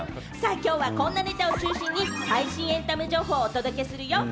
きょうはこんなネタを中心に最新エンタメ情報をお届けするよ。